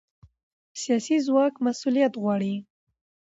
سیاسي ځواک مسؤلیت غواړي